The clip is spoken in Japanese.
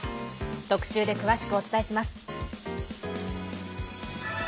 特集で詳しくお伝えします。